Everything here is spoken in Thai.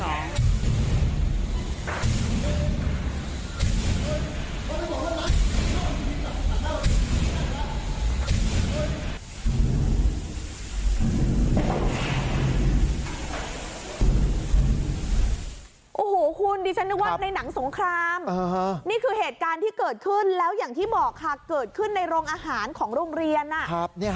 โอ้โหคุณดิฉันนึกว่าในหนังสงครามนี่คือเหตุการณ์ที่เกิดขึ้นแล้วอย่างที่บอกค่ะเกิดขึ้นในโรงอาหารของโรงเรียน